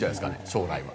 将来は。